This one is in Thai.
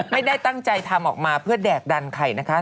ไม่ได้ตั้งใจทำออกมาเพื่อแดกดันใครนะคะ